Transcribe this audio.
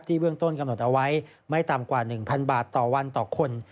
เบื้องต้นกำหนดเอาไว้ไม่ต่ำกว่า๑๐๐บาทต่อวันต่อคน